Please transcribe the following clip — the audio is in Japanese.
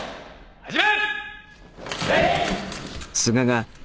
始め！